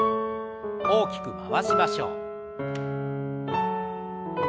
大きく回しましょう。